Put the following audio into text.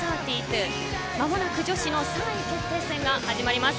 間もなく女子のの３位決定戦が始まります。